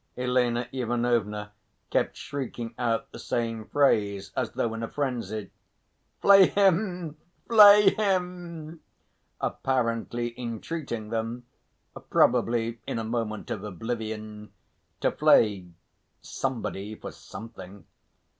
Elena Ivanovna kept shrieking out the same phrase, as though in a frenzy, "Flay him! flay him!" apparently entreating them probably in a moment of oblivion to flay somebody for something.